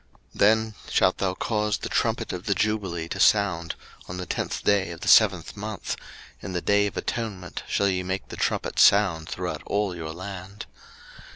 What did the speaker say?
03:025:009 Then shalt thou cause the trumpet of the jubile to sound on the tenth day of the seventh month, in the day of atonement shall ye make the trumpet sound throughout all your land.